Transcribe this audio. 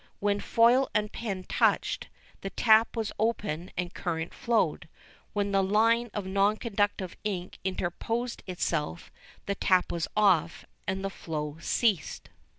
When foil and pen touched, the tap was open and current flowed. When the line of non conductive ink interposed itself, the tap was off and the flow ceased.